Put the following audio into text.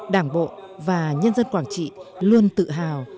đảng bộ và nhân dân quảng trị luôn tự hào